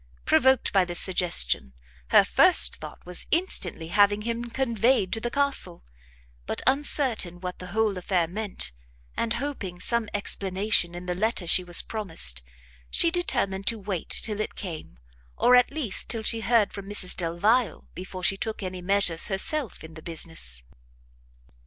Provoked by this suggestion, her first thought was instantly having him conveyed to the castle; but uncertain what the whole affair meant, and hoping some explanation in the letter she was promised, she determined to wait till it came, or at least till she heard from Mrs Delvile, before she took any measures herself in the business.